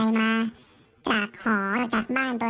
ไม่ต้องเสียเวลาหาตามสื่ออย่างนี้ครับ